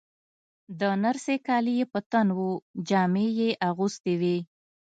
د نرسې کالي یې په تن وو، جامې یې اغوستې وې.